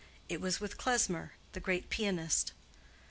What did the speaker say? It was with Klesmer, the great pianist."